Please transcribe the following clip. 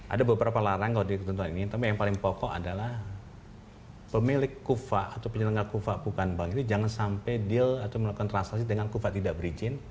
ada beberapa larang kalau di ketentuan ini tapi yang paling pokok adalah pemilik kufa atau penyelenggara kufa bukan bank itu jangan sampai deal atau melakukan transaksi dengan kufa tidak berizin